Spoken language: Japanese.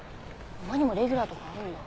馬にもレギュラーとかあるんだ。